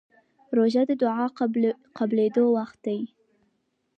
روژه د دعا قبولېدو وخت دی.